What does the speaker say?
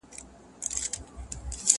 چپنه پاکه کړه!.